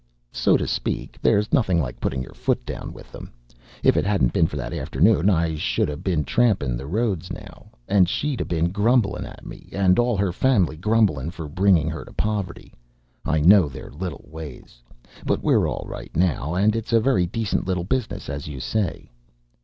"So to speak. There's nothing like putting your foot down with them. If it 'adn't been for that afternoon I should 'a' been tramping the roads now, and she'd 'a' been grumbling at me, and all her family grumbling for bringing her to poverty I know their little ways. But we're all right now. And it's a very decent little business, as you say."